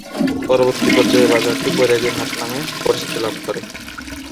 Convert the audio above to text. পরবর্তী পর্যায়ে বাজারটি বৈরাগী হাট নামে পরিচিতি লাভ করে।